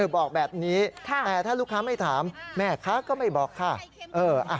บอกแบบนี้แต่ถ้าลูกค้าไม่ถามแม่ค้าก็ไม่บอกค่ะ